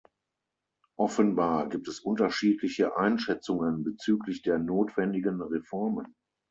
Offenbar gibt es unterschiedliche Einschätzungen bezüglich der notwendigen Reformen.